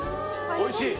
おいしい？